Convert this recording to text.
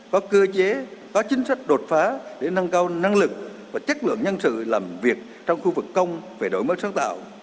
có cơ chế có chính sách đột phá để nâng cao năng lực và chất lượng nhân sự làm việc trong khu vực công về đổi mới sáng tạo